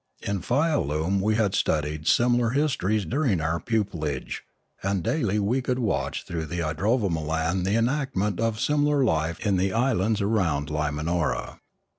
In Fialume we had studied sim ilar histories during our pupillage; and daily could we watch through the idrovainolan the enactment of simi lar life in the islands around Limanora.